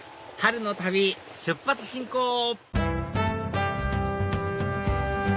春の旅出発進行！